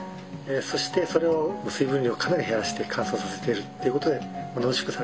そしてそれを水分量をかなり減らして乾燥させてるってことで濃縮されますね。